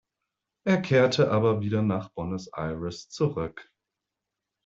Er kehrte aber wieder nach Buenos Aires zurück.